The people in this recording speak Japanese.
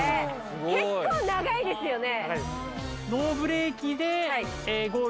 結構長いですよね！